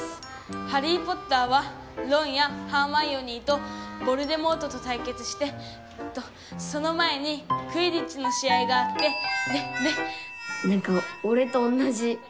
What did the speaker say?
『ハリー・ポッター』はロンやハーマイオニーとヴォルデモートとたいけつしてえっとその前にクィディッチの試合があってでで」。